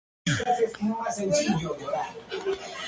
Además se han aprovechado para dar acceso al ferrocarril hasta Brive.